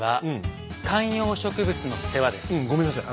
うんごめんなさい。